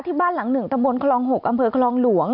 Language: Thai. ที่บ้านหลังหนึ่งตะบนคลอง๖อำเภอคลองหลวง